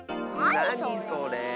なにそれ。